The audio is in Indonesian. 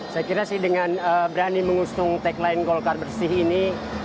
saya kira sih dengan berani mengusung tagline golkar bersih ini